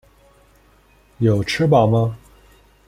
有吃饱吗？